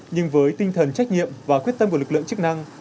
nhưng với tinh thần trách nhiệm và quyết tâm của lực lượng chức năng